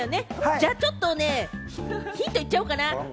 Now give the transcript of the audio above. じゃあ、ちょっとね、ヒントいっちゃおうかな。